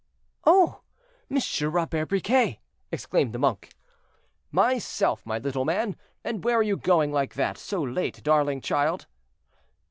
"Oh! Monsieur Robert Briquet!" exclaimed the monk. "Myself, my little man. And where are you going like that, so late, darling child?"